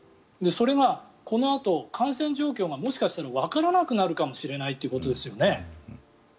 それがこのあと感染状況がもしかしたらわからなくなるかもしれないということですよね。